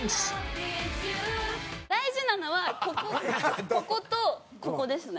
大事なのはこここことここですね。